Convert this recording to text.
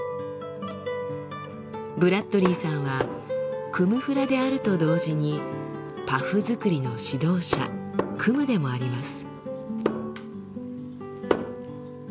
ブラッドリーさんはクム・フラであると同時にパフ作りの指導者クムでもあります。